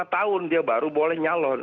lima tahun dia baru boleh nyalon